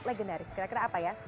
legendaris kira kira apa ya